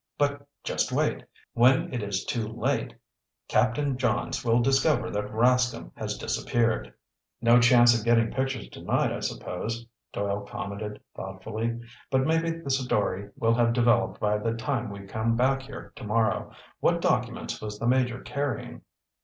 "But just wait! When it is too late, Captain Johns will discover that Rascomb has disappeared." "No chance of getting pictures tonight, I suppose," Doyle commented thoughtfully. "But maybe the story will have developed by the time we come back here tomorrow. What documents was the Major carrying?"